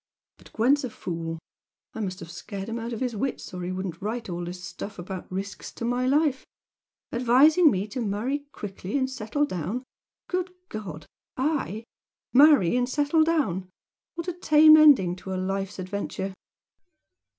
But Gwent's a fool I must have scared him out of his wits, or he wouldn't write all this stuff about risks to my life, advising me to marry quickly and settle down! Good God! I? Marry and settle down? What a tame ending to a life's adventure!